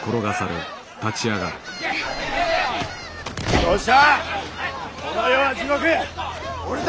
どうした！